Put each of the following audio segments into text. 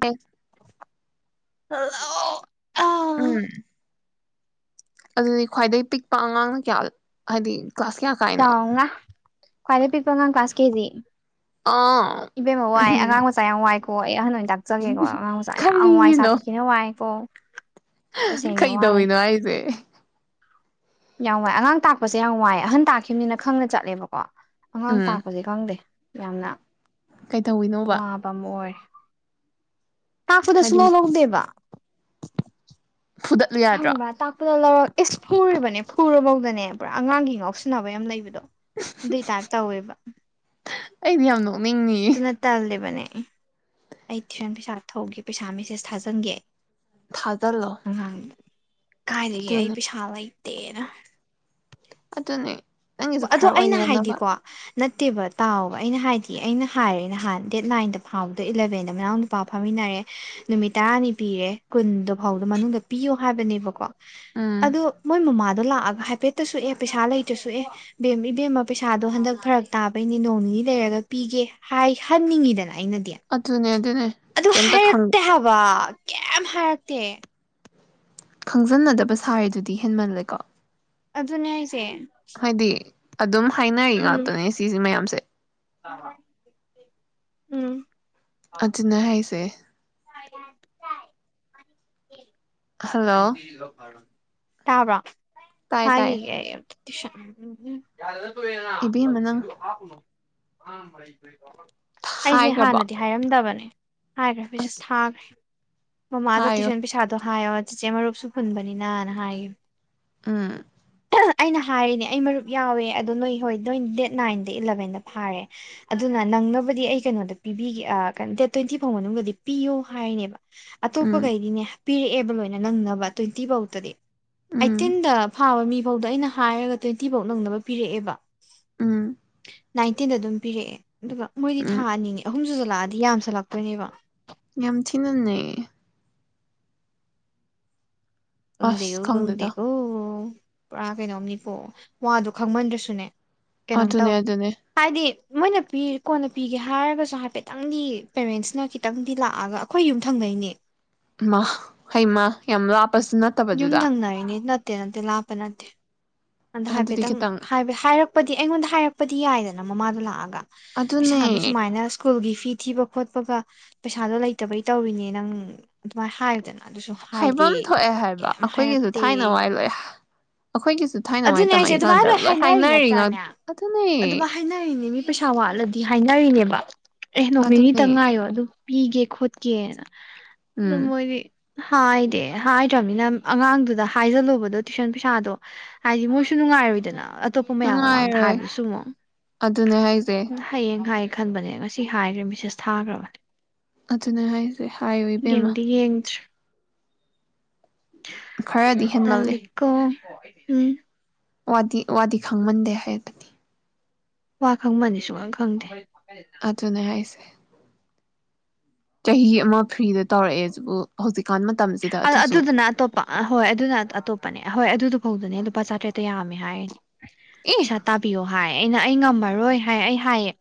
Bag hello ꯑꯥ ꯎꯝ ꯑꯗꯨꯗꯤ ꯈ꯭ꯋꯥꯏꯗꯒꯤ ꯄꯤꯛꯄ ꯑꯉꯥꯡꯅ ꯀꯌꯥ ꯍꯥꯏꯗꯤ ꯀ꯭ꯂꯥꯁ ꯀꯌꯥ ꯀꯥꯏꯅꯣ꯫ ꯈ꯭ꯋꯥꯏꯗ ꯄꯤꯛꯄ ꯑꯉꯥꯡ ꯀ꯭꯭ꯂꯥꯁ ꯀꯦ ꯖꯤ꯫ ꯑꯥ ꯏꯕꯦꯝꯃ ꯋꯥꯏ ꯑꯉꯥꯡ ꯎꯝ ꯃꯆꯥ ꯌꯥꯝ ꯋꯥꯏ ꯍꯣꯏ ꯑꯍꯟ ꯇꯥꯛꯆꯒꯦꯀꫭ ꯑꯉꯥꯡ ꯃꯆꯥ ꯌꯥꯝ ꯋꯥꯏ ꯁꯥꯊꯤꯅ ꯋꯥꯏ ꯀꯣ꯫ ꯇꯁꯦꯡꯅ ꯀꯩꯗꯧꯏꯅꯣ ꯍꯥꯏꯁꯦ꯫ ꯌꯥꯝ ꯋꯥꯏ ꯑꯉꯥꯡ ꯇꯥꯛꯄꯁꯦ ꯌꯥꯝ ꯋꯥꯏ ꯑꯍꯟ ꯇꯥꯛꯈꯤꯕꯅꯤꯅ ꯈꯪꯅ ꯆꯠꯂꯦꯕꯀꯣ ꯑꯉꯥꯡ ꯎꯝ ꯇꯛꯄꯁꯦ ꯀꯪꯗꯦ꯫ ꯌꯥꯝꯅ ꯀꯩꯗꯧꯋꯤꯅꯣꯕ ꯋꯥꯕ ꯑꯃ ꯑꯣꯏ ꯇꯥꯛꯄꯗ ꯍꯥꯏꯗꯤ ꯁꯨꯡꯂꯧ ꯂꯧꯗꯦꯕ꯫ ꯐꯨꯗꯠꯂꯨ [unintelligible] ꯌꯥꯗ꯭ꯔꯣ ꯍꯪꯕ ꯇꯥꯛꯄꯗ ꯂꯧꯔ ꯑꯦꯁ ꯐꯨꯔꯤꯕꯅꯦ ꯐꯨꯔꯨꯐꯧꯗꯅꯦ ꯄꯨꯔꯥ ꯑꯉꯥꯡꯒꯤ ꯉꯥꯎꯁꯤꯟꯅꯕ ꯌꯥꯝ ꯂꯩꯕꯗꯣ꯫ ꯑꯗꯨꯏ ꯇꯥꯏꯞ ꯇꯧꯋꯦꯕ꯫ ꯑꯩꯗꯤ ꯌꯥꯝ ꯅꯣꯛ ꯑꯗꯨꯅ ꯇꯜꯂꯤꯕꯅꯦ꯫ ꯑꯩ ꯇꯨꯏꯁꯟ ꯄꯩꯁꯥ ꯊꯧꯒꯦ ꯄꯩꯁꯥ ꯃꯦꯁꯦꯁ ꯊꯥꯖꯤꯟꯒꯦ꯫ ꯊꯥ ꯖꯜꯂꫭ꯫ ꯀꯥꯏꯗꯒꯤ ꯑꯩ ꯄꯩꯁꯥ ꯂꯩ ꯇꯦꯛꯑꯦꯗ ꯇꯅꯤ ꯑꯗꯣ ꯑꯩꯅ ꯍꯥꯏꯗꯤꯀꯣ ꯅꯠꯇꯦꯕ ꯇꯥꯎꯕ ꯑꯩꯅ ꯍꯥꯏꯗꯤ ꯑꯩꯅ ꯍꯥꯏꯔꯦꯅ ꯅꯍꯥꯟ ꯗꯦꯠ ꯅꯥꯏꯟꯗ ꯐꯥꯎꯕꯗꯣ ꯏꯂꯕꯦꯟꯗ ꯃꯅꯥꯎ ꯅꯨꯄꯥ ꯐꯝꯃꯤꯟꯅꯔꯦ ꯅꯨꯃꯤꯠ ꯇꯔꯥꯅꯤ ꯄꯤꯔꯦ ꯀꯨꯟꯗ ꯐꯥꯎꯕꯗ ꯃꯅꯨꯡꯗ ꯄꯤꯌꯣ ꯍꯥꯏꯕꯅꯦꯕꯀꯣ ꯎꯝ ꯑꯗꯨ ꯃꯣꯏ ꯃꯃꯥꯗꯣ ꯂꯥꯛ ꯍꯥꯏꯐꯦꯠꯇꯁꯨ ꯑꯦ ꯄꯩꯁꯥ ꯂꯩꯇꯁꯨ ꯑꯦ ꯕꯦꯝ ꯏꯕꯦꯝꯃ ꯄꯩꯁꯥꯗꯣ ꯍꯟꯗꯛ ꯐꯔꯛ ꯇꯥꯕꯩꯅꯦ ꯅꯣꯡ ꯅꯤꯅꯤ ꯂꯩꯔꯒ ꯄꯤꯒꯦ ꯍꯥꯏꯍꯟꯅꯤꯡꯉꯤꯗꯅ꯫ ꯑꯩꯅꯗꯤ ꯑꯗꯨꯅꯦ ꯑꯗꯨꯅꯦ ꯑꯗꯨ ꯀꯩꯝꯇ ꯍꯥꯏꯔꯛꯇꯦ ꯍꯥꯏꯕ ꯀꯩꯝ ꯍꯥꯏꯔꯛꯇꯦ ꯈꯪꯖꯟꯅꯗꯕ ꯁꯥꯔꯤꯗꯨꯗꯤ ꯍꯦꯟꯃꯜꯂꯦꯀꯣ ꯑꯗꯨꯅꯦ ꯍꯥꯏ ꯆꯦ ꯍꯥꯏꯗꯤ ꯑꯗꯨꯝ ꯍꯥꯏꯅꯔꯤ ꯉꯥꯛꯇꯅꯦ ꯁꯤꯁꯤ ꯃꯌꯥꯝꯁꯦ ꯎꯝ ꯑꯗꯨꯅꯦ ꯍꯥꯏꯁꯦ ꯆ ꯍꯜꯂꯣ ꯀꯔꯤꯗꯤ ꯂꯧ ꯐꯥꯔ ꯇꯥꯕ꯭ꯔꯥ ꯇꯥꯏ ꯇꯥꯏ ꯍꯥꯏꯒꯤꯒꯦ ꯑꯩꯑꯝ ꯁꯟ ꯅ ꯏꯕꯦꯝꯃ ꯅꯪ ꯑꯗꯨ ꯍꯥꯞꯄꯨꯅꯣ ꯑꯥꯡ ꯑꯩꯁꯦ ꯍꯥꯏꯈ꯭ꯔꯕꯣ ꯍꯥꯟꯅꯗꯤ ꯍꯥꯏꯔꯝꯗꯕꯅꯦ ꯍꯥꯏꯒꯔ꯭ꯦ ꯃꯦꯁꯦꯁ ꯊ꯭ꯒꯔꯦ ꯃꯃꯥꯗ ꯍꯥꯏꯌꯣ ꯇꯌꯨꯏꯁꯟ ꯄꯤꯁꯥꯗꯣ ꯍꯥꯏꯑꯣ ꯆꯤꯆꯦ ꯃꯔꯨꯞꯁꯨ ꯐꯨꯟꯕꯅꯤꯅꯅ ꯍꯥꯏꯌꯦ ꯎꯝ ꯑꯩꯅ ꯍꯥꯏꯔꯤꯅꯦ ꯑꯩ ꯃꯔꯨꯞ ꯌꯥꯎꯋꯦ ꯑꯗꯣ ꯅꯣꯏ ꯍꯣꯏ ꯅꯣꯏ ꯗꯦꯠ ꯅꯥꯏꯟꯗ ꯏꯂꯕꯦꯟꯗ ꯐꯥꯔꯦ ꯑꯗꯨꯅ ꯅꯪꯅꯕꯨꯗꯤ ꯑꯩ ꯀꯩꯅꯣꯗ ꯄꯤꯕꯤꯒꯦ ꯑ ꯀꯩ ꯗꯦꯠ ꯇ꯭ꯋꯦꯟꯇꯤ ꯐꯥꯎ ꯃꯅꯨꯡꯗꯗꯤ ꯄꯤꯌꯣ ꯍꯥꯏꯔꯤꯅꯦꯕ ꯑꯇꯣꯞꯄ ꯎꯝ ꯀꯩꯗꯤꯅꯦ ꯄꯤꯔꯛ ꯑꯦꯕ ꯂꯣꯏꯅꯥ ꯩꯅ ꯅꯪꯅꯕ ꯇ꯭ꯋꯦꯟꯇꯤ ꯐꯧꯗꯗꯤ ꯎꯝ ꯑꯩꯥꯏꯠꯇꯤꯟꯗ ꯐꯥꯕ ꯃꯤ ꯐꯧꯗ ꯑꯩꯅ ꯍꯥꯏꯔꯒ ꯇ꯭ꯋꯦꯟꯇꯤ ꯐꯧ ꯅꯪꯅꯕ ꯄꯤꯔꯛꯑꯦꯕ ꯎꯝ ꯅꯥꯏꯟꯇꯤꯟꯗ ꯑꯗꯨꯝ ꯄꯤꯔꯛꯑꯦ ꯑꯗꯨꯒ ꯃꯣꯏꯗꯤ ꯊꯥ ꯎꯝ ꯑꯅꯤꯅꯦ ꯑꯍꯨꯝꯁꯨ ꯂꯥꯛꯑꯗꯤ ꯌꯥꯝꯁꯜ ꯂꯛꯇꯣꯏꯅꯦꯕ ꯌꯥꯝ ꯊꯤꯅꯅꯩ ꯑꯁ ꯀꯪꯗꯦꯀꯣ ꯈꯪꯗꯦꯗ ꯀꯪꯗꯦꯀꯣ ꯄꯨꯔꯥ ꯀꯩꯅꯣꯝꯅꯤꯀꯣ ꯋꯥꯗꯣ ꯈꯪꯃꯟꯗ꯭ꯔꯁꯨꯅꯦ ꯑꯗꯨꯅꯦ ꯀꯩꯅꯣꯝꯇꯧ ꯑꯗꯨꯅꯦ ꯍꯥꯏꯗꯤ ꯃꯣꯏꯅ ꯄꯤꯔꯤ ꯀꯣꯟꯅ ꯄꯤꯒꯦ ꯍꯥꯏꯔꯒꯁꯨ ꯍꯥꯏꯐꯦꯠꯇꯪꯗꯤ ꯄꯦꯔꯦꯟꯁꯅ ꯈꯤꯇꯪꯗꯤ ꯂꯥꯛꯑꯒ ꯑꯩꯈꯣꯏ ꯌꯨꯝꯊꯪꯅꯩꯅꯦ ꯃꯥ ꯍꯩꯃ ꯌꯥꯝ ꯂꯞ ꯄꯁꯨ ꯌꯨꯝ ꯅꯠꯇꯕꯗꯨꯗ ꯊꯪꯅꯔꯤꯅꯦ ꯅꯠꯇꯦ ꯅꯠꯇꯦ ꯂꯥꯞꯄ ꯅꯠꯇꯦ ꯑꯗ ꯑꯗꯨꯗꯤ ꯍꯥꯏꯐꯦꯠꯇꯪ ꯈꯤꯇꯪ ꯍꯥꯌꯕ ꯍꯥꯏꯔꯛ ꯄꯗꯤ ꯑꯩꯉꯣꯟꯗ ꯍꯥꯏꯔꯛꯄꯗꯤ ꯌꯥꯏꯗꯅ ꯃꯃꯥꯗꯣ ꯂꯥꯛꯑꯒ ꯄꯩꯁꯥꯗꯨ ꯑꯗꯨꯅꯦ ꯁꯨꯃꯥꯏꯅ ꯁ꯭ꯀꯨꯜꯒꯤ ꯐꯤ ꯊꯤꯕ ꯈꯣꯠꯄꯒ ꯄꯩꯁꯥꯗꯣ ꯂꯩꯇꯕꯩ ꯇꯧꯔꯤꯅꯦ ꯅꯪ ꯑꯗꯨꯃꯥꯏꯅ ꯍꯥꯏꯕꯗꯅ ꯍꯥꯏꯐꯝ ꯊꯣꯛꯑꯦ ꯍꯥꯏꯕ ꯑꯩꯈꯣꯏꯒꯤꯁꯨ ꯍꯥꯏꯔꯛꯇꯦ ꯊꯥꯏꯅ ꯋꯥꯏ ꯂꯣꯏ ꯑꯩꯈꯣꯏꯒꯤꯁꯨ ꯊꯥꯏꯅꯉꯥꯏ ꯑꯗꯨꯅꯦ ꯍꯥꯏꯁꯦ ꯑꯗꯨꯃꯥꯏꯅ ꯇꯝꯃꯛꯏꯀꯥꯟꯗ ꯂꯣꯏ ꯍꯥꯏꯅꯔꯤ ꯅꯠꯇ꯭ꯔꯥꯅꯦ ꯑꯗꯨꯅꯦ ꯑꯗꯨꯃꯥꯏ ꯍꯥꯏꯅꯔꯤꯅꯦ ꯃꯤ ꯄꯩꯁꯥ ꯋꯥꯠꯂꯗꯤ ꯍꯥꯏꯅꯔꯤꯅꯦꯕ ꯑꯦ ꯅꯣꯡꯃꯤꯠ ꯅꯤꯇꯪ ꯑꯗꯨꯅꯦ ꯉꯥꯏꯌꯣ ꯑꯗꯨ ꯄꯤꯒꯦ ꯈꯣꯠꯀꯦ ꯎꯝ ꯑꯗꯣꯃꯣꯏꯅꯤ ꯍꯥꯏꯗꯤ ꯍꯥꯏꯗ꯭ꯔꯝꯅꯤꯅ ꯑꯉꯥꯡꯗꯨꯗ ꯍꯥꯏꯖꯜꯂꯨꯕꯗꯣ ꯇꯨꯁꯟ ꯄꯩꯁꯥꯗꯣ ꯍꯥꯏꯗꯤ ꯃꯣꯏꯁꯨ ꯅꯨꯡꯉꯥꯏꯔꯣꯏꯗꯅ ꯑꯇꯣꯞꯄ ꯃꯌꯥꯝ ꯃꯃꯥꯡꯗ ꯅꯨꯡꯉꯥꯏꯔꯣꯏ ꯍꯥꯏꯕꯗꯨꯁꯨ ꯑꯃꯨꯛ ꯑꯗꯨꯅꯦ ꯍꯥꯏꯁꯦ ꯍꯌꯦꯡ ꯍꯥꯏꯒꯦ ꯈꯟꯕꯅꯦ ꯉꯁꯤ ꯍꯥꯏꯔꯦ ꯃꯤꯁꯦꯁ ꯊꯥꯈ꯭ꯔꯕꯅꯦ ꯑꯗꯨꯅꯦ ꯍꯥꯏꯁꯦ ꯍꯥꯏꯌꯨ ꯏꯕꯦꯝꯃ ꯌꯦꯡꯗꯤ ꯌꯦꯡꯗ꯭ꯔꯤ ꯈꯔꯗꯤ ꯍꯦꯟꯃꯜꯂꯤ ꯇꯜꯂꯤꯀꯣ ꯎꯝ ꯋꯥꯗꯤ ꯋꯥꯗꯤ ꯈꯪꯃꯟꯗꯦ ꯍꯥꯏꯕꯗꯤ ꯋꯥ ꯈꯪꯕꯅꯤ ꯁꯨꯡ ꯈꯪ ꯈꯪꯗꯦ ꯑꯗꯨꯅꯦꯍꯥꯏꯁꯦ ꯆꯍꯤ ꯑꯃ ꯐ꯭ꯔꯤꯗ ꯇꯧꯔꯛꯑꯦ ꯑꯗꯨꯕꯨ ꯍꯧꯖꯤꯛ ꯀꯥꯟ ꯃꯇꯝꯁꯤꯗ ꯑꯗꯨꯁꯨ ꯑꯍꯣꯏ ꯑꯗꯨꯅ ꯑꯇꯣꯞꯄꯅꯦ ꯑꯍꯣꯏ ꯑꯗꯨꯗꯣ ꯐꯧꯗꯨꯅꯦ ꯂꯨꯄꯥ ꯆꯥꯇ꯭ꯔꯦꯠꯇ ꯌꯥꯝꯃꯦ ꯍꯥꯏꯔꯤꯅꯤ ꯑꯦ ꯄꯩꯁꯥ ꯇꯥꯕꯤꯌꯣ ꯍꯥꯏ ꯑꯩꯅ ꯑꯩ ꯉꯝꯃꯔꯣꯏ ꯍꯥꯏ ꯑꯩ ꯍꯥꯏꯌꯦ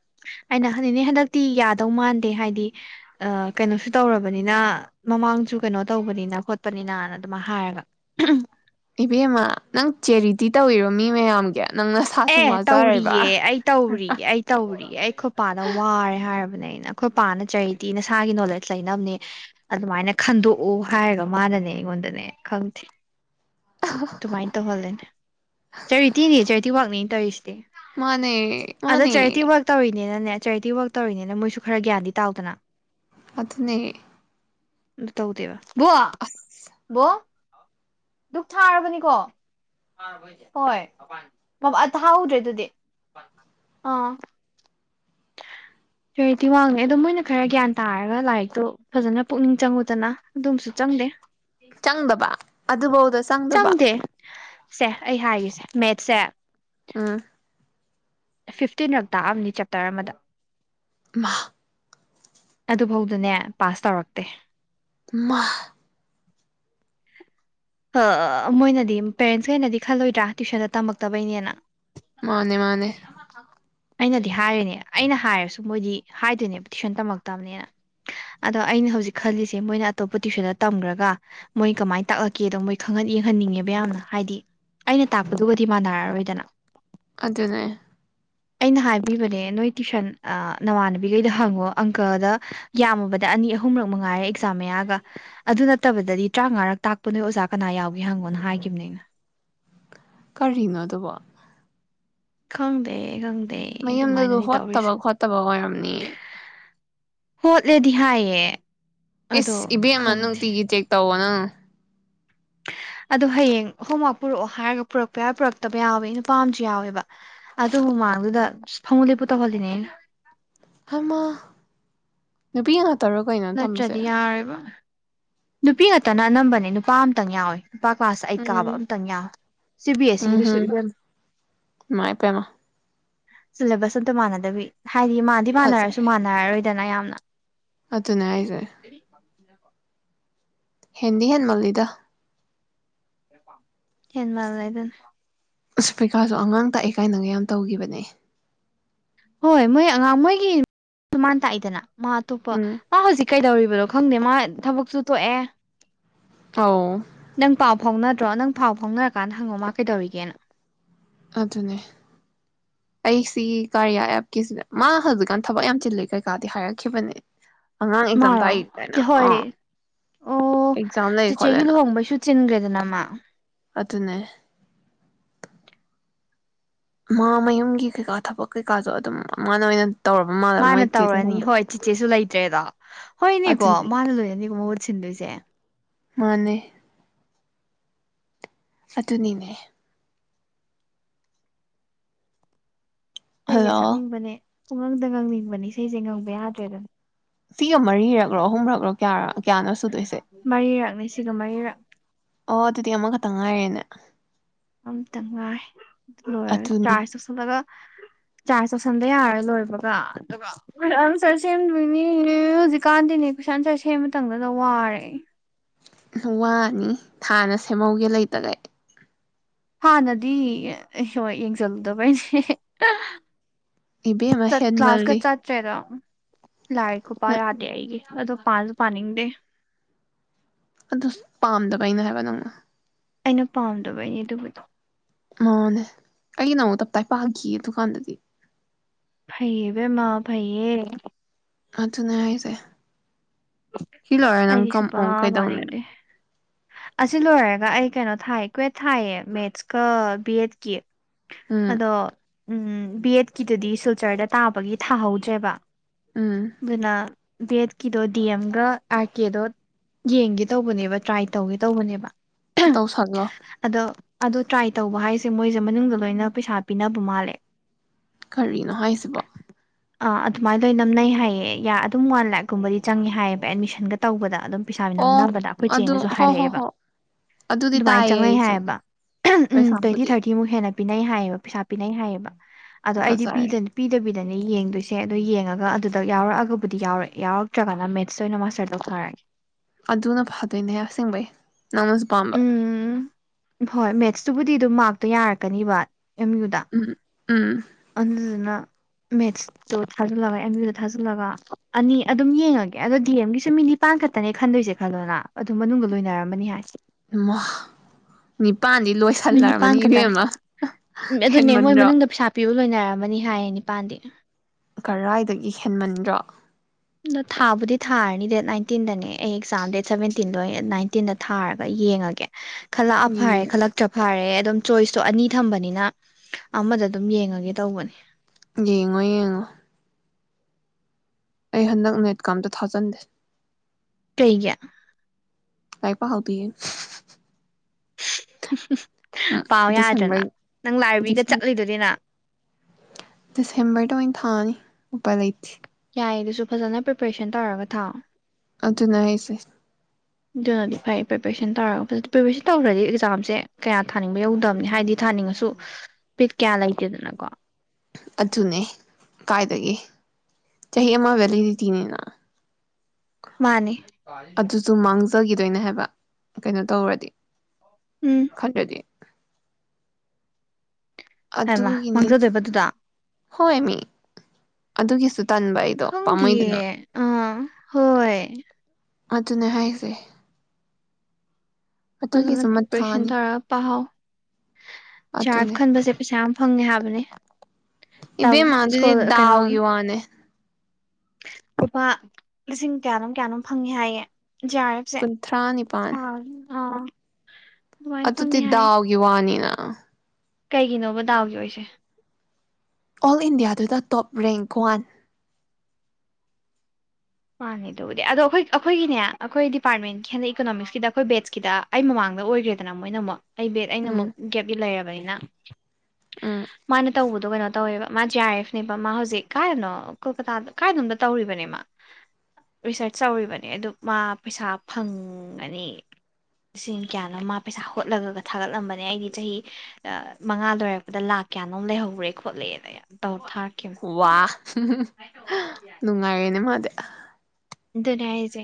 ꯑꯩꯅ ꯍꯥꯏꯗꯤꯅꯦ ꯍꯟꯗꯛꯇꯤ ꯌꯥꯗꯧ ꯃꯥꯟꯗꯦ ꯍꯥꯏꯗꯤ ꯀꯩꯅꯣꯁꯨ ꯇꯧꯔꯕꯅꯤꯅ ꯃꯃꯥꯡꯁꯨ ꯀꯩꯅꯣ ꯇꯧꯕꯅꯤꯅ ꯈꯣꯠꯄꯅꯤꯅꯅ ꯑꯗꯨꯃꯥꯏ ꯍꯥꯏꯔꯒ ꯏꯕꯦꯝꯃ ꯅꯪ ꯆꯦꯔꯤꯇꯤ ꯇꯧꯔꯤꯔꯣ ꯃꯤ ꯃꯌꯥꯝꯒꯤ ꯅꯪ ꯅꯁꯥꯁꯨ ꯑꯦ ꯇꯧꯔꯤꯌꯦ ꯋꯥꯖꯔꯤꯕ ꯑꯩ ꯇꯧꯔꯤꯌꯦ ꯑꯩ ꯇꯧꯔꯤꯌꯦ ꯑꯩ ꯈꯣꯏꯄꯥꯅ ꯋꯥꯔꯦ ꯍꯥꯏ ꯅꯦ ꯑꯩꯅ ꯑꯩꯈꯣꯏ ꯄꯥꯅ ꯆꯩꯔꯤꯇꯤ ꯅꯁꯥꯒꯤ ꯅꯣꯂꯦꯖ ꯂꯩꯅꯕꯅꯦ ꯑꯗꯨꯃꯥꯏꯅ ꯈꯟꯗꯣꯛꯎ ꯍꯥꯏꯔꯒ ꯃꯥꯅꯅꯦ ꯑꯩꯉꯣꯟꯗꯅꯦ ꯈꯪꯗꯦ ꯑꯗꯨꯃꯥꯏꯅ ꯇꯧꯍꯜꯂꯦꯅꯦ ꯆꯦꯔꯤꯇꯤꯅꯤ ꯆꯦꯔꯤꯇꯤ ꯋꯥꯛꯅꯤ [unintelligible] ꯃꯥꯅꯦ ꯃꯥꯅꯦ ꯅꯦꯅꯅꯦ ꯆꯦꯔꯤꯇꯤ ꯋꯔꯛ ꯇꯧꯔꯤꯅꯦꯅ ꯃꯣꯏꯁꯨ ꯈꯔ ꯒꯌꯥꯟꯗꯤ ꯇꯥꯎꯗꯅ ꯑꯗꯨꯅꯦ ꯇꯧꯗꯦꯕ ꯕꯣ ꯑꯁ ꯕꯣ ꯗꯨꯛ ꯊꯥꯔꯕꯅꯤꯀꯣ ꯍꯣꯏ ꯊꯥꯍꯧꯗ꯭ꯔꯤ ꯑꯗꯨꯗꯤ ꯑꯥ ꯔ꯭ꯑꯦꯛ ꯇꯤ ꯋꯥꯡꯉꯦ ꯑꯗꯨ ꯃꯣꯏꯅ ꯈꯔ ꯒ꯭ꯌꯥꯟ ꯇꯥꯔꯒ ꯂꯥꯏꯔꯤꯛꯇꯣ ꯐꯖꯅ ꯄꯨꯛꯅꯤꯡ ꯆꯪꯉꯨꯗꯅ ꯑꯗꯨꯝꯁꯨ ꯆꯪꯗꯦ ꯆꯪꯗꯕ ꯑꯗꯨꯕꯧꯗꯤ ꯑꯗꯣ ꯁꯡꯗꯕ ꯆꯪꯗꯦ ꯁꯦ ꯑꯩ ꯍꯥꯏꯒꯦꯁꯦ ꯃꯦꯠ ꯁꯦ ꯎꯝ ꯐꯤꯐꯇꯤꯟꯔꯛ ꯇꯥꯛꯑꯝꯅꯤ ꯆꯦꯞꯇꯔ ꯑꯃꯗ ꯏꯃꯥ ꯑꯗꯨꯐꯧꯗꯅꯦ ꯄꯥꯁ ꯇꯧꯔꯛꯇꯦ ꯏꯃꯥ ꯃꯣꯏꯅꯗꯤ ꯄꯦꯔꯦꯟꯁꯒꯩ ꯅꯗꯤ ꯈꯜꯂꯣꯏꯗ꯭ꯔꯥ ꯇ꯭ꯋꯨꯏꯁꯟꯗ ꯇꯝꯃꯛꯇꯕꯩꯅꯦꯅ ꯃꯥꯅꯦ ꯃꯥꯅꯦ ꯑꯩꯅꯗꯤ ꯍꯥꯏꯔꯦꯅꯦ ꯑꯩꯅ ꯍꯥꯏꯔꯁꯨ ꯃꯣꯏꯗꯤ ꯍꯥꯏꯗꯣꯏꯅꯦꯕ ꯇꯨꯁꯟ ꯇꯝꯃꯛꯇꯕꯅꯦꯅ ꯑꯗꯣ ꯑꯩꯅ ꯍꯧꯖꯤꯛ ꯈꯜꯂꯤꯁꯦ ꯃꯣꯏꯅ ꯑꯇꯣꯞꯄ ꯇꯨꯁꯟꯗ ꯇꯝꯈ꯭ꯔꯒ ꯃꯣꯏ ꯀꯃꯥꯏꯅ ꯇꯥꯛꯂꯛ ꯀꯦꯗꯣ ꯃꯣꯏ ꯈꯪꯍꯟ ꯌꯦꯡꯍꯟꯅꯤꯡꯉꯦꯕ ꯌꯥꯝꯅ ꯍꯥꯏꯗꯤ ꯑꯩꯅ ꯇꯥꯛꯄꯗꯨꯒꯗꯤ ꯃꯥꯟꯅꯔꯔꯣꯏꯗꯅ ꯑꯗꯨꯗꯅꯦ ꯑꯩꯅ ꯍꯥꯏꯕꯤꯕꯅꯦ ꯅꯣꯏ ꯇ꯭ꯋꯨꯏꯁꯟ ꯅꯃꯥꯟꯅꯕꯤꯈꯩꯗ ꯍꯪꯉꯣ ꯑꯪꯀꯗ ꯌꯥꯝꯃꯕꯗ ꯑꯅꯤ ꯑꯍꯨꯝꯔꯛ ꯃꯉꯥꯏꯔꯦ ꯑꯦꯛꯖꯥꯝ ꯃꯌꯥꯒ ꯑꯗꯨ ꯅꯠꯇꯕꯗꯗꯤ ꯇꯔꯥꯃꯉꯥꯔꯛ ꯇꯥꯛꯄ ꯄ ꯅꯣꯏ ꯑꯣꯖꯥ ꯀꯅꯥ ꯌꯥꯎꯒꯦ ꯍꯪꯉꯣꯅ ꯍꯥꯏꯈꯤꯕꯅꯦ ꯑꯩꯅ ꯀꯔꯤꯅꯣ ꯑ ꯑꯗꯨꯕꯣ ꯈꯪꯗꯦ ꯈꯪꯗ ꯃꯌꯨꯝꯗꯁꯨ ꯍꯣꯠꯇꯕ ꯈꯣꯠꯇꯕ ꯑꯣꯏꯔꯝꯅꯤꯌꯦ ꯍꯣꯠꯂꯦꯗꯤ ꯍꯥꯏꯌꯦ ꯑꯗꯣ ꯏꯁ ꯏꯕꯦꯝꯃ ꯈꯪꯗꯦ ꯅꯨꯡꯇꯤꯒꯤ ꯆꯦꯛ ꯇꯧꯋ ꯅꯪ ꯑꯗꯣ ꯍꯌꯦꯡ ꯍꯣꯝꯋ꯭ꯔꯥꯛ ꯄꯨꯔꯛꯑꯣ ꯍꯥꯏꯔꯒ ꯄꯨꯔꯛꯄ ꯌꯥꯏ ꯄꯨꯔꯛꯇꯕ ꯌꯥꯎꯕ ꯅꯨꯄ ꯑꯃꯁꯨ ꯌꯥꯎꯋꯦꯕ ꯑꯗꯨ ꯃꯃꯥꯡꯗꯨꯗ ꯐꯃꯨ ꯂꯦꯞꯄꯨ ꯇꯧꯍꯜꯂꯤꯅꯦ ꯑꯩꯅ ꯑꯃ ꯅꯨꯄꯤ ꯇꯔꯣ ꯀꯩꯅꯣ ꯊꯝꯃꯤꯁꯦ ꯅꯠꯇ꯭ꯔꯗꯤ ꯌꯥꯔꯣꯏꯕ ꯅꯨꯄꯤ ꯉꯛꯇꯅ ꯑꯅꯝꯕꯅꯦ ꯅꯨꯄꯥ ꯑꯃꯇꯪ ꯌꯥꯎꯋꯦ ꯅꯨꯄꯥ ꯀ꯭ꯂꯥꯁꯇ ꯑꯩꯠ ꯎꯝ ꯀꯥꯕ ꯑꯝꯇꯪ ꯌꯥ ꯁꯤ ꯕꯤ ꯑꯦꯁ ꯏꯗꯨꯁꯨ ꯎꯝꯍꯨꯝ ꯏꯚꯦꯝ ꯏꯃꯥꯏ ꯄꯦꯝꯃ ꯁꯤꯂꯦꯕꯁ ꯑꯇ ꯃꯥꯅꯗꯕꯤ ꯍꯥꯏꯗꯤ ꯃꯥꯗꯤ ꯐꯖꯔꯦ ꯃꯥꯟꯅꯔꯁꯨ ꯃꯥꯟꯅꯔꯔꯣꯏ ꯗꯅ ꯌꯥꯝꯅ ꯑꯗꯨꯅꯦ ꯍꯥꯏꯁꯦ ꯍꯦꯟꯗꯤ ꯍꯦꯟꯃꯜꯂꯤꯗ ꯍ ꯃꯥꯜ ꯂꯩꯗꯅ ꯑ ꯄ꯭ꯔꯤꯀꯥꯁꯨ ꯑꯉꯥꯡ ꯇꯥꯛꯑꯦ ꯀꯥꯏꯅꯒ ꯌꯥꯝ ꯇꯧꯈꯤꯕꯅꯦ ꯍꯣꯏ ꯃꯣꯏ ꯑꯉꯥꯡ ꯃꯣꯏꯒꯤ ꯃꯥ ꯅ ꯇꯥꯛꯏꯗꯅ ꯃꯥ ꯑꯇꯨꯞꯄ ꯎꯝ ꯃꯥ ꯍꯧꯖꯤꯛ ꯀꯩꯗꯧꯔꯤꯕꯅꯣ ꯈꯪꯗꯦ ꯃꯥ ꯊꯕꯛꯁꯨꯨ ꯇꯣꯛꯑꯦ ꯑꯥꯎ ꯅꯪ ꯄꯥꯎ ꯐꯥꯎꯅꯗ꯭ꯔꯣ ꯅꯪ ꯐꯥꯎ ꯐꯥꯎꯅꯔꯀꯥꯟꯗ ꯍꯪꯉꯣ ꯃꯥ ꯀꯩꯗꯧꯔꯤꯒꯦꯅ ꯑꯗꯨꯅꯦ ꯑꯩꯁꯤ ꯀꯥꯔꯤꯌꯥ ꯑꯦꯞꯀꯤꯁꯤꯗ ꯃꯥ ꯍꯧꯖꯤꯛꯀꯥꯟ ꯊꯕꯛ ꯌꯥꯝ ꯆꯤꯜꯂꯦ ꯀꯩꯀꯥꯗꯤ ꯍꯥꯏꯔꯛꯈꯤꯕꯅꯦ ꯑꯉꯥꯡ ꯑꯦꯛꯖꯥꯝ ꯃꯥꯣ ꯇꯥꯛꯏ ꯀꯥꯏꯅ ꯍꯣꯏ ꯑꯥ ꯑꯣ ꯑꯦꯛꯖꯥꯝ ꯂꯩ ꯆꯤꯆꯦꯒꯤ ꯈꯣꯠꯂꯦꯅ ꯂꯨꯍꯣꯡꯕꯩꯁꯨ ꯆꯤꯟꯈ꯭ꯔꯦꯗꯅꯃ ꯑꯗꯨꯅꯦ ꯃꯥ ꯃꯌꯨꯝꯒꯤ ꯀꯩꯀꯥ ꯊꯕꯛ ꯀꯩꯀꯥꯁꯨꯣ ꯑꯗꯨꯝ ꯃꯥꯅ ꯑꯣꯏꯅ ꯇꯧꯔꯕ ꯃꯥꯜꯂꯦ ꯃꯥꯅ ꯃꯣꯏ ꯆꯦ ꯇꯧꯔꯅꯤ ꯊꯣꯡꯕ ꯍꯣꯏ ꯆꯤꯆꯦꯁꯨ ꯂꯩꯇꯦ ꯆꯦꯗ ꯍꯣꯏ ꯏꯅꯦ ꯀꯣ ꯑꯗꯨꯅꯦ ꯃꯥꯜ ꯂꯣꯏ ꯑꯦꯅꯦ ꯀꯣ ꯃ ꯁꯤꯟꯗꯣꯏꯁꯦ ꯃꯥꯅꯦ ꯑꯗꯨꯅꯤꯅꯦ ꯏꯁꯩꯁꯦ ꯍꯜꯂꯣ ꯁꯛꯅꯤꯡꯕꯅꯦ ꯄꯨꯈꯪꯗ ꯉꯪꯅꯤꯡꯕꯅꯤ ꯏꯁꯩꯁꯦ ꯉꯪꯕ ꯌꯥꯗ꯭ꯔꯦꯗꯅ ꯁꯤꯒ ꯃꯔꯤꯔꯛ꯭ꯔꯣ ꯑꯍꯨꯝꯔꯛꯂꯣ [unintelligible] ꯀꯌꯥꯅꯣ ꯁꯨꯗꯣꯏꯁꯦ ꯃꯔꯤꯔꯛꯅꯦ ꯁꯤꯒ ꯃꯔꯤꯔꯛ꯫ ꯑꯣ ꯑꯗꯨꯗꯤ ꯑꯃꯈꯛꯇ ꯉꯥꯏꯔꯦꯅꯦ꯫ ꯑꯝꯇ ꯉꯥꯏ ꯂꯣꯏꯔ ꯑꯗꯨꯅꯤ ꯆꯥꯔꯖ ꯆꯧꯁꯤꯜꯂꯒ꯫ ꯆꯥꯔꯖ ꯇꯧꯁꯟꯗ ꯌꯥꯔꯔꯣꯏ ꯂꯣꯏꯕꯒ ꯑꯗꯨꯒ ꯀꯣꯏꯁꯟ ꯑꯟꯁꯔ ꯁꯦꯝꯗꯣꯏꯅꯤ ꯍꯧꯖꯤꯛꯀꯥꯟꯗꯤꯅꯦ ꯀꯣꯏꯁꯟ ꯑꯟꯁꯔ ꯁꯦꯝ ꯃꯇꯝꯗꯗ ꯋꯥꯔꯦ ꯋꯥꯅꯤ ꯊꯥꯅ ꯁꯦꯝꯍꯧꯒꯦ ꯂꯩꯇꯒꯩ ꯍꯥꯟꯅꯗꯤ [unintelligible] ꯌꯦꯡꯁꯤꯜꯂꯨꯗꯕꯩꯁꯦ ꯏꯕꯦꯝꯃ ꯆꯠ ꯀ꯭ꯂꯥꯁ ꯀ ꯍꯦꯟꯃꯜꯂꯤ ꯆꯠꯇ꯭ꯔꯦꯗꯣ ꯂꯥꯏ ꯈꯨꯄꯥ ꯅꯪ ꯌꯥꯗꯦ ꯑꯩꯒꯤ꯫ ꯑꯗꯣ ꯄꯥꯁꯨ ꯄꯥꯅꯤꯡꯗꯦ ꯑꯗꯨ ꯄꯥꯝꯗꯕꯩꯅ ꯍꯥꯏꯕ ꯅꯪꯅ ꯑꯩꯅ ꯄꯥꯝꯗꯕꯩꯅꯦ ꯑꯗꯨꯕꯨꯗꯣ ꯃꯥꯅꯦ ꯑꯩꯒꯤ ꯅ ꯑꯃꯨꯛ ꯇꯞꯇꯥꯏ ꯄꯥꯈꯤꯌꯦ ꯗꯨꯀꯥꯟꯗꯗꯤ ꯐꯩꯌꯦ ꯏꯕꯦꯝꯃ ꯐꯩꯌꯦ ꯑꯗꯨꯅꯦ ꯍꯥꯏꯖꯦ ꯁꯤ ꯂꯣꯏꯕ ꯅꯪ ꯑꯩꯗꯤ ꯀꯝ ꯁꯨꯄꯥ [unintelligible] ꯀꯩꯗꯧꯅꯦ ꯄꯥꯅꯤꯡꯗꯦ ꯑꯁꯤ ꯂꯣꯏꯔꯒ ꯑꯩ ꯀꯩꯅꯣ ꯊꯥꯏ ꯀ꯭ꯨꯋꯦꯠ ꯊꯥꯏꯌꯦ ꯃꯦꯠꯁꯀ ꯕꯤ ꯑꯦꯗꯀꯤ ꯎꯝ ꯑꯗꯣ ꯎꯝ ꯕꯤ ꯑꯦꯗꯀꯤꯗꯨꯗꯤ ꯁꯤꯜꯆꯔꯗ ꯇꯥꯕꯒꯤ ꯊꯥꯍꯧꯗ꯭ꯔꯦꯕ ꯎꯝ ꯅꯥ ꯕꯦꯠꯀꯤꯗꯣ ꯗꯤ ꯑꯦꯝꯒ ꯑꯥꯔ ꯀꯦꯗꯣ ꯌꯦꯡꯒꯦ ꯇꯧꯕꯅꯦꯕ ꯇ꯭ꯔꯥꯏ ꯇꯧꯒꯦ ꯇꯧꯕꯅꯦꯕ ꯇꯧꯁꯜꯂꯣ ꯑꯗꯣ ꯑꯗꯣ ꯇ꯭ꯔꯥꯏ ꯇꯧꯕ ꯍꯥꯏꯁꯦ ꯃꯣꯏꯁꯦ ꯃꯅꯨꯡꯗ ꯂꯣꯏꯅ ꯄꯩꯁꯥ ꯄꯤꯅꯕ ꯃꯥꯜꯂꯦ ꯀꯔꯤꯅꯣ ꯍꯥꯏꯁꯤꯕꯣ ꯑ ꯑꯗꯨꯃꯥꯏꯅꯗ ꯑꯣꯏꯅ ꯅꯝꯅꯩ ꯍꯥꯏꯌꯦ ꯌꯥ ꯑꯗꯨꯝ ꯋꯥꯟ ꯂꯥꯛꯀꯨꯝꯕꯗꯤ ꯆꯪꯉꯦ ꯍꯥꯏꯌꯦꯕ ꯑꯦꯗꯃꯤꯁꯟꯒ ꯇꯧꯕꯗ ꯑꯗꯨꯝ ꯄꯩꯁꯥ ꯃꯤ ꯑꯣ ꯅꯝꯅꯕꯗ ꯑꯩꯈꯣꯏ ꯑꯗꯨ ꯆꯦꯅꯁꯨ ꯍꯣ ꯍꯣ ꯍꯥꯏꯔꯛꯑꯦꯕ ꯍꯣ ꯑꯗꯨꯗꯤ ꯑꯗꯨꯃꯥꯏꯅ ꯇꯥꯏꯌꯦ ꯆꯪꯅꯩ ꯑꯩꯁꯨ ꯍꯥꯏꯌꯦꯕ ꯎꯝ ꯇ꯭ꯋꯦꯟꯇꯤ ꯄꯩꯁꯥꯕꯨꯗꯤ ꯊꯥꯔꯇꯤꯃꯨꯛ ꯍꯦꯟꯅ ꯄꯤꯅꯩ ꯍꯥꯏꯌꯦꯕ ꯄꯩꯁꯥ ꯄꯤꯅꯩ ꯍꯥꯏꯌꯦꯕ ꯑꯗꯣ ꯑꯩꯗꯤ ꯐꯖꯔꯦ ꯄꯤꯗ ꯄꯤꯗꯕꯤ ꯗꯅꯦ ꯌꯦꯡꯗꯣꯏꯁꯦ ꯑꯗꯣ ꯌꯦꯡꯉꯒ ꯑꯗꯨ ꯑꯗꯥ ꯌꯥꯎꯔꯛꯑꯒꯕꯨꯗꯤ ꯌꯥꯎꯔ ꯌꯥꯎꯔꯛꯇ꯭ꯔꯒꯅ ꯃꯦꯠꯁꯇ ꯑꯣꯏꯅ ꯃꯥꯁꯇꯔ ꯇꯧꯊꯅꯔꯅꯤ ꯑꯗꯨꯅ ꯐꯗꯣꯏꯅꯦ ꯑꯁꯦꯡꯕꯩ ꯅꯪꯅꯁꯨ ꯄꯥꯝꯕ ꯎꯝ ꯍꯣꯏ ꯃꯦꯠꯁ ꯇꯕꯨ ꯑꯗꯨꯗꯤ ꯑꯗꯨꯝ ꯃꯥꯔꯛꯇꯣ ꯌꯥꯔꯛꯀꯅꯤꯕ ꯑꯦꯝ ꯌꯨꯗ ꯎꯝ ꯎꯝ ꯑꯗꯨꯗꯨꯅ ꯃꯦꯠꯁꯇꯣ ꯊꯥꯖꯤꯜꯂꯒ ꯑꯦꯝ ꯌꯨꯗ ꯊꯥꯖꯤꯜꯂꯒ ꯑꯅꯤ ꯑꯗꯨꯝ ꯌꯦꯡꯉꯒꯦ ꯑꯗꯣ ꯗꯤ ꯑꯦꯝ ꯒꯤꯁꯨ ꯃꯤ ꯅꯤꯄꯥꯟ ꯈꯛꯇꯅꯦ ꯈꯟꯗꯣꯏꯁꯦ ꯈꯜꯂꯣꯅ ꯑꯗꯨ ꯃꯅꯨꯡꯗ ꯂꯣꯏꯅꯔꯝꯃꯅꯤ ꯍꯥꯏ ꯃꯥ ꯏꯤꯄꯥꯥꯟꯗꯤ ꯃꯤ ꯅꯤꯄꯥꯟ ꯂꯣꯏꯁꯜꯂꯃꯅꯤ ꯈꯛꯇꯅꯤ ꯏꯕꯦꯝꯃ ꯑꯗꯨꯅꯦ ꯃꯣꯏ ꯍꯦꯟꯃꯟꯗ꯭ꯔꯣ ꯃꯅꯨꯡꯗ ꯄꯩꯁꯥ ꯄꯤꯕ ꯂꯣꯏꯅꯔꯝꯃꯅꯤ ꯍꯥꯏꯌꯦ ꯅꯤꯄꯥꯜꯗꯤ ꯀꯔꯥꯏꯗꯒꯤ ꯍꯦꯟꯃꯟꯗ꯭ꯔꯣ ꯑꯗꯣ ꯊꯥꯕꯨꯗꯤ ꯊꯥꯔꯅꯤ ꯗꯦꯠ ꯅꯥꯏꯟꯇꯤꯟꯗꯅꯦ ꯑꯩ ꯑꯦꯛꯖꯥꯝ ꯗꯦꯠ ꯁꯚꯦꯟꯇꯤꯟꯗꯣ ꯑꯩ ꯅꯥꯏꯟꯇꯤꯟꯗ ꯊꯥꯔꯒ ꯌꯦꯡꯉꯒꯦ ꯈꯜꯂꯛꯑ ꯐꯥꯔꯦ ꯌꯦꯡꯉꯣ ꯈꯜꯂꯛꯇ꯭ꯔ ꯐꯥꯔꯦ ꯑꯗꯨꯝ ꯆꯣꯏꯁꯇꯣ ꯑꯅꯤ ꯊꯝꯕꯅꯤꯅ ꯑꯃꯗ ꯑꯗꯨꯝ ꯌꯦꯡꯉꯒꯦ ꯇꯧꯕꯅꯤ ꯌꯦꯡꯉꯣ ꯌꯦꯡꯉꯣ ꯑꯩ ꯍꯟꯗꯛ ꯅꯦꯠꯀ ꯑꯝꯇ ꯊꯥꯖꯟꯗꯦ ꯀꯩꯒꯤ ꯂꯥꯏꯔꯤꯛ ꯄꯥꯍꯧꯗꯤꯌꯦ [unintelligible] ꯎꯝ ꯄꯥꯎ ꯌꯥꯗ꯭ꯔꯅ ꯗꯤꯁꯦꯝꯕꯔ ꯅꯪ ꯂꯥꯏꯕ꯭ꯔꯤꯗꯥ ꯆꯠꯂꯤꯗꯨꯅꯤꯅ ꯗꯤꯁꯦꯝꯕꯔꯗ ꯑꯣꯏꯅ ꯊꯥꯅꯤ ꯎꯄꯥꯏ ꯂꯩꯩꯇꯦ ꯌꯥꯏ ꯑꯗꯨꯁꯨ ꯐꯖꯅ ꯄ꯭ꯔꯤꯄꯦꯔꯦꯁꯟ ꯇꯧꯔꯒ ꯊꯧ ꯑꯗꯨꯅꯦ ꯍꯥꯏꯁꯦ ꯑꯗꯨꯅꯗꯤ ꯐꯩ ꯄ꯭ꯔꯤꯄꯦꯔꯦꯁꯟ ꯇꯧꯔꯒ ꯐꯖ ꯄ꯭ꯔꯤꯄꯦꯔꯦꯁꯟ ꯇꯧꯗ꯭ꯔꯗꯤ ꯑꯦꯛꯖꯥꯝꯁꯦ ꯀꯌꯥ ꯊꯥꯅꯤꯡꯕ ꯌꯧꯗꯕꯅꯤ ꯍꯥꯏꯗꯤ ꯊꯥꯅꯤꯡꯉꯁꯨ ꯕꯤꯠ ꯀꯌꯥ ꯂꯩꯇꯦꯗꯅꯀꯣ ꯑꯗꯨꯅꯦ ꯀꯥꯏꯗꯒꯤ ꯆꯍꯤ ꯑꯃ ꯕꯦꯂꯤꯗꯤꯇꯤꯅꯤꯅ ꯃꯥꯅꯤ ꯑꯗꯨꯁꯨ ꯃꯥꯡꯖꯈꯤꯗꯣꯏꯅꯦ ꯍꯥꯏꯕ ꯀꯩꯅꯣ ꯇꯧꯔꯗꯤ ꯎꯝ ꯈꯟꯗ꯭ꯔꯥꯗꯤ ꯍꯥꯏꯕ ꯑꯗꯨꯒꯤꯅꯤ ꯃꯥꯡꯖꯗꯣꯏꯕ ꯑꯗꯨꯗꯣ ꯍꯣꯏ ꯃꯤ ꯑꯗꯨꯒꯤꯁꯨ ꯇꯟꯕ ꯑꯩꯗꯣ ꯈꯪꯗꯤꯌꯦ ꯄꯥꯝꯃꯨꯏꯗꯅ ꯑꯥ ꯍꯣꯏ ꯑꯗꯨꯅꯦ ꯍꯥꯏꯁꯦ ꯐꯖꯥꯅ ꯑꯗꯨꯒꯤꯁꯨ ꯄꯤꯄꯔꯦꯁꯟ ꯃꯊꯥꯅꯤ ꯇꯧꯔ ꯄꯥꯎ ꯍꯧ ꯆꯖꯥ ꯑꯗꯨꯅꯦ ꯈꯟꯕꯁꯦ ꯄꯩꯁꯥ ꯐꯪꯉꯦ ꯍꯥꯏꯕꯅꯤ ꯏꯕꯦꯝꯃꯥ ꯑꯗꯨꯗꯤ ꯗꯥꯎꯒꯤ ꯋꯥꯅꯦ ꯂꯨꯄꯥ ꯂꯤꯁꯤꯡ ꯀꯌꯥꯅꯣꯝ ꯀꯌꯥꯅꯣ ꯐꯪꯉꯦ ꯍꯥꯏꯌꯦ ꯖꯦ ꯑꯔ ꯑꯦꯐ ꯁꯦ ꯀꯨꯟꯊ꯭ꯔꯥ ꯅꯤꯄꯥꯜ ꯑꯥ ꯑꯗꯨꯃꯥꯏꯅ ꯑꯗꯨꯗꯤ ꯐꯪꯉꯦ ꯍꯥꯏꯌꯦ ꯗꯥꯎꯒꯤ ꯋꯥꯅꯤꯅ ꯑꯥ ꯀꯩꯒꯤꯅꯣꯕ ꯗꯥꯎꯒꯤ ꯑꯣꯏꯁꯦ ꯑꯣꯜ ꯏꯟꯗꯤꯌꯥꯗꯨꯗꯥ ꯇꯣꯞ ꯔꯦꯡꯀ ꯋꯥꯟ ꯃꯥꯅꯦ ꯑꯗꯨꯕꯨꯗꯤ ꯑꯗꯣ ꯑꯩꯈꯣꯏ ꯑꯩꯈꯣꯏꯒꯤꯅꯦ ꯑꯩꯈꯣꯏ ꯗꯤꯄꯥꯔꯠꯃꯦꯟꯀꯤ ꯍꯟꯗꯛ ꯏꯀꯣꯅꯣꯃꯤꯛꯁꯀꯤꯗ ꯑꯩꯈꯣꯏ ꯕꯦꯠꯁꯀꯤꯗ ꯑꯩ ꯃꯃꯥꯡꯗ ꯑꯣꯏꯈ꯭ꯔꯦꯗꯅ ꯃꯣꯏꯅ ꯑꯃꯨꯛ ꯑꯩ ꯕꯦꯛ ꯑꯩꯅ ꯑꯃꯨꯛ ꯎꯝ ꯒꯦꯞꯇ ꯂꯩꯔꯕꯅꯦ ꯎꯝ [inaudible] ꯃꯥꯅ ꯇꯧꯕꯗꯣ ꯀꯩꯅꯣ ꯇꯧꯋꯦꯕ ꯃꯥ ꯖꯦ ꯑꯥꯔ ꯑꯦꯐꯅꯦꯕ ꯃꯥ ꯍꯧꯖꯤꯛ ꯀꯥꯏꯅꯣ ꯀꯣꯜꯀꯇꯥꯗ ꯀꯥꯏꯅꯣꯝꯗ ꯇꯧꯔꯤꯕꯅꯦ ꯃꯥ ꯔꯤꯁꯔꯁ ꯇꯧꯔꯤꯕꯅꯦ ꯑꯗꯨ ꯃꯥ ꯄꯩꯁꯥ ꯐꯪꯉꯅꯤ ꯂꯤꯁꯤꯡ ꯀꯌꯥꯅꯣ ꯃꯥ ꯄꯩꯁꯥ ꯍꯣꯠꯂꯒꯒ ꯊꯥꯒꯠꯂꯝꯕꯅꯦ ꯑꯩꯗꯤ ꯆꯍꯤ ꯃꯉꯥ ꯂꯣꯏꯔꯛꯄꯗ ꯂꯥꯛ ꯀꯌꯥꯅꯣꯝ ꯂꯩꯍꯧꯔꯦ ꯈꯣꯠꯂꯦꯅꯧ ꯊꯥ ꯋꯥ ꯅꯨꯡꯉꯥꯏꯔꯦꯅꯦ ꯃꯥꯗꯤ ꯑꯗꯨ ꯍꯥꯏꯁꯦ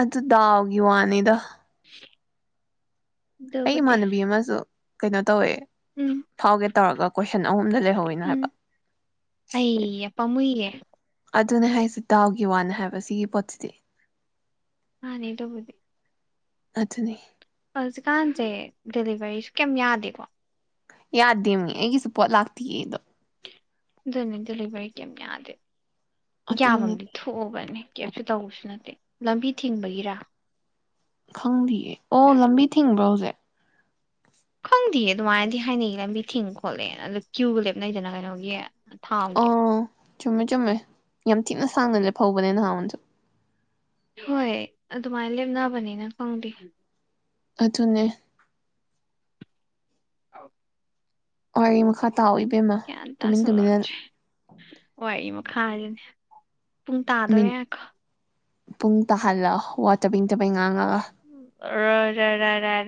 ꯑꯗꯨꯗꯥꯎꯒꯤ ꯋꯥꯅꯦꯗ [unintelligible] ꯑꯩ ꯑꯗꯨꯕꯨꯗꯤ ꯏꯃꯥꯟꯅꯕꯤ ꯑꯃꯁꯨ ꯀꯩꯅ ꯇꯧꯋꯦ ꯎꯝ ꯐꯥꯎꯒꯦ ꯇꯧꯔꯒ ꯀꯣꯏꯁꯟ ꯑꯍꯨꯝꯗ ꯂꯩꯍꯧꯋꯤꯅ ꯍꯥꯏꯕ ꯄꯃꯨꯏꯌꯦꯦ ꯑꯗꯨꯅꯦ ꯍꯥꯏꯁꯦ ꯗꯥꯎꯒꯤ ꯋꯥꯅ ꯍꯥꯏꯕ ꯁꯤꯒꯤ ꯄꯣꯠꯁꯤꯗꯤ ꯃꯥꯅꯦ ꯗꯨꯕꯨꯗꯤ ꯑꯗꯨꯅꯦ ꯍꯧꯖꯤꯛꯀꯥꯟꯁꯦ ꯗꯦꯂꯤꯚꯔꯤꯁꯨ ꯀꯌꯥꯝ ꯌꯥꯗꯦꯀꯣ ꯌꯥꯗꯦꯕꯅꯤ ꯑꯩꯒꯤꯁꯨ ꯄꯣꯠ ꯂꯥꯛꯇꯌꯦ ꯑꯩꯗꯣ ꯗꯨꯅꯤ ꯗꯤꯂꯤꯕ꯭ꯔꯤ ꯀꯦꯝ ꯌꯥꯗꯦ ꯑꯗꯨꯅꯤ ꯌꯥꯝꯕꯝꯗꯤ ꯊꯣꯛꯑꯕꯅꯦ ꯀꯦꯝꯁꯨ ꯇꯧꯕꯁꯨ ꯅꯠꯇꯦ ꯂꯝꯕꯤ ꯊꯤꯡꯕꯒꯤꯔ ꯈꯪꯗꯤꯌꯦ ꯑꯣ ꯂꯝꯕꯤ ꯊꯤꯡꯕ꯭ꯔꯣ ꯍꯧꯖꯤꯛ ꯈꯪꯗꯦꯌꯦ ꯑꯗꯨꯃꯥꯏꯅꯗꯤ ꯍꯥꯏꯅꯩꯒꯤ ꯂꯝꯕꯤ ꯊꯤꯡ ꯈꯣꯠꯂꯦ ꯑꯗꯨ ꯀ꯭ꯌꯨꯒ ꯂꯦꯞꯅꯩꯗꯅ ꯀꯩꯅꯣꯒꯤ ꯊꯥꯎꯒꯤ ꯑꯣ ꯆꯨꯝꯃꯦ ꯆꯨꯝꯃꯦ ꯌꯥꯝ ꯊꯤ ꯅ ꯁꯥꯡꯅ ꯂꯦꯞ ꯐꯧꯕꯅꯦ ꯅꯍꯥꯟꯁꯨ ꯍꯣꯏ ꯑꯗꯨꯃꯥꯏ ꯂꯦꯞꯅꯕꯅꯤꯅ ꯈꯪꯗꯦ ꯑꯗꯨꯅꯦ [unintelligible] ꯋꯥꯔꯤ ꯃꯈꯥ ꯇꯥꯎ ꯏꯕꯦꯝꯃ ꯒ꯭ꯌꯥꯟ ꯇꯨꯃꯤꯟ ꯇꯨꯃꯤꯟꯅ ꯇꯥꯁꯜꯂꯛꯇ꯭ꯔꯦ ꯋꯥꯔꯤ ꯈꯥꯏꯔꯤꯅꯦ ꯄꯨꯡ ꯇꯥꯗꯣꯔꯦ ꯃꯤꯅꯤꯠ ꯉꯥꯏꯈꯣ ꯄꯨꯡ ꯇꯥꯍꯜꯂꯣ ꯋꯥ ꯆꯕꯦꯡ ꯆꯕꯦꯡ ꯉꯥꯡ ꯔ ꯔ ꯔ ꯔ